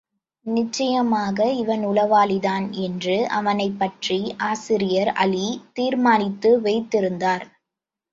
நிச்சயமாக இவன் உளவாளிதான்! என்று அவனைப்பற்றி ஆசிரியர் அலி தீர்மானித்து வைத்திருந்தார்.